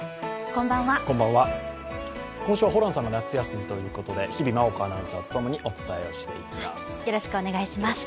今週はホランさんが夏休みということで、日比麻音子アナウンサーとお伝えをしていきます。